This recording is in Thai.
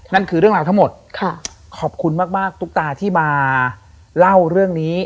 นั่นคือเรื่องราวทั้งหมดขอบคุณมากตุ๊กตาที่มาเล่าเรื่องนี้